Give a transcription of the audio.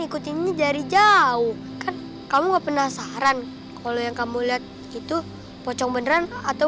ikutin dari jauh kan kamu penasaran kalau yang kamu lihat itu pocong beneran atau